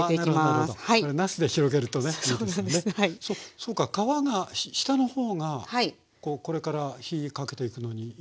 そうか皮が下のほうがこれから火かけていくのにいいんですか？